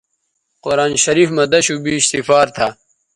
قرآن شریف مہ دشوبیش سفار تھا